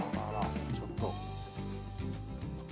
ちょっと。